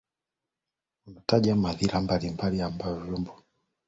unataja madhila mbalimbali ambayo vyombo vya habari na waandishi wake kwa ujumla